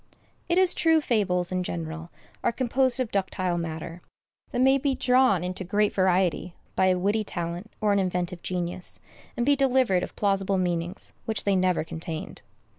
It is true, fables, in general, are composed of ductile matter, that may be drawn into great variety by a witty talent or an inventive genius, and be delivered of plausible meanings which they never contained.